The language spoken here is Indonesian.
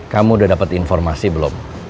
kamu udah dapat informasi belum